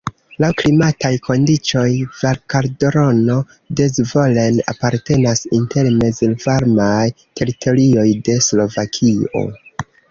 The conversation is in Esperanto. Laŭ klimataj kondiĉoj Valkaldrono de Zvolen apartenas inter mezvarmaj teritorioj de Slovakio.